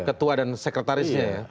ketua dan sekretarisnya ya